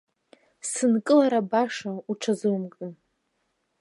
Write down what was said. Сынкылара башаӡа уҽазумкын!